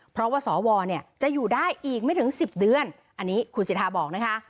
เพราะว่าสวเนี่ยจะอยู่ได้อีกไม่ถึง๑๐เดือนอันนี้คุณสิทธาบอกนะคะ